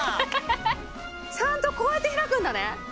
ちゃんとこうやってひらくんだね。